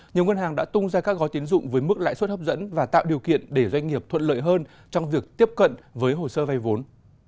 nhiều ngân hàng đã tung ra các gói tiến dụng với mức lãi suất hấp dẫn và tạo điều kiện để doanh nghiệp thuận lợi hơn trong việc tiếp cận với hồ sơ vay vốn